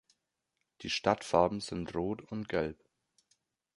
Die Stadtfarben sind Rot und Gelb.